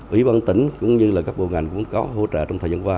ủy ban tỉnh cũng như là các bộ ngành cũng có hỗ trợ trong thời gian qua